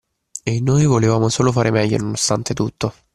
E noi volevamo solo fare meglio, nonostante tutto.